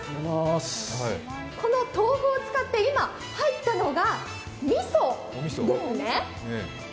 この豆腐を使って今、入ったのがみそですね。